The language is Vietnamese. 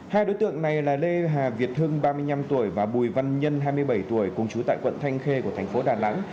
hai đối tượng này là lê hà việt hưng ba mươi năm tuổi và bùi văn nhân hai mươi bảy tuổi cùng chú tại quận thanh khê của thành phố đà nẵng